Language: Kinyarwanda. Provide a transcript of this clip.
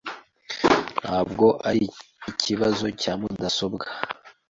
Ntabwo ari ikibazo cya mudasobwa .